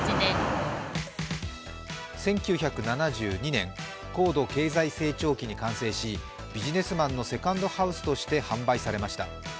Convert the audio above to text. １９７２年、高度経済成長期に完成しビジネスマンのセカンドハウスとして販売されました。